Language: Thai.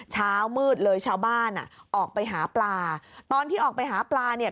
เช้ามืดเลยชาวบ้านอ่ะออกไปหาปลาตอนที่ออกไปหาปลาเนี่ย